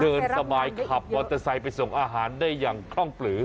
เดินสบายขับมอเตอร์ไซค์ไปส่งอาหารได้อย่างคล่องปลือ